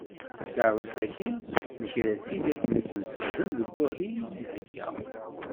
Takerrust-agi, tekra-tt-id akken a tt-tessexdem deg wahil i d-thegga.